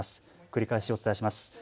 繰り返しお伝えします。